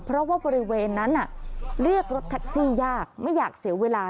เพราะว่าบริเวณนั้นเรียกรถแท็กซี่ยากไม่อยากเสียเวลา